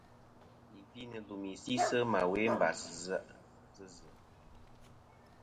Yì gvi nɨ̀ lùmì si sɨ ma we mbas sɨ zɨ.